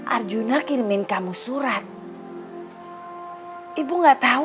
arjuna kirimin kamu surat ibu gak tahu